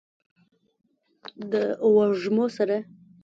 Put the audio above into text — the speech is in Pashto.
د وږمو سره